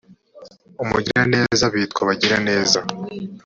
umugiraneza lk bitwa abagiraneza